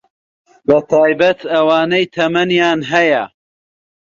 بەتایبەت ئەوانەی تەمەنیان هەیە